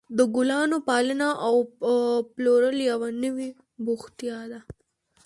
د ګلانو پالنه او پلورل یوه نوې بوختیا ده.